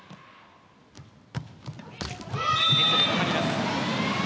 ネットに掛かります。